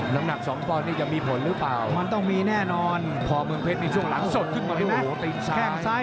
น้ำหนัก๒ต้อนนี้จะมีผลรึเปล่าพอเมืองเพชรมีช่วงหลังสดขึ้นมาโอ้โหตีนช้าย